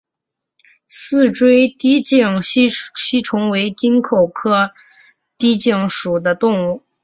似锥低颈吸虫为棘口科低颈属的动物。